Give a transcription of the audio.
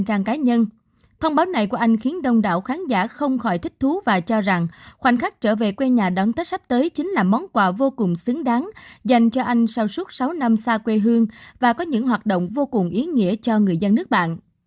thông báo này của anh khiến đông đảo khán giả không khỏi thích thú và cho rằng khoảnh khắc trở về quê nhà đón tết sắp tới chính là món quà vô cùng xứng đáng dành cho anh sau suốt sáu năm xa quê hương và có những hoạt động vô cùng ý nghĩa cho người dân nước bạn